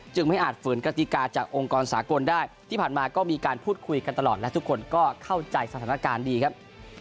ไม่อาจฝืนกติกาจากองค์กรสากลได้ที่ผ่านมาก็มีการพูดคุยกันตลอดและทุกคนก็เข้าใจสถานการณ์ดีครับ